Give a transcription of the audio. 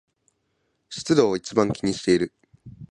湿度を一番気にしている